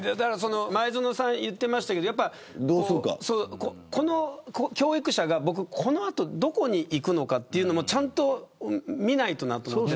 前園さんが言っていましたがこの教育者が、この後どこに行くのかというのもちゃんと見ないとなと思って。